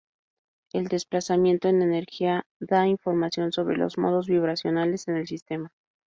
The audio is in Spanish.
El desplazamiento en energía da información sobre los modos vibracionales en el sistema.